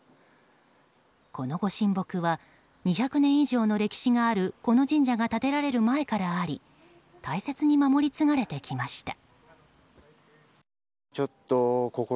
この御神木は２００年以上の歴史があるこの神社が建てられる前からあり大切に守り継がれてきました。